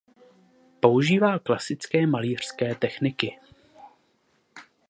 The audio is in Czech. Používá klasické malířské techniky.